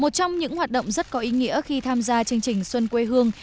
một trong những hoạt động rất có ý nghĩa khi tham gia chương trình xuân quê hương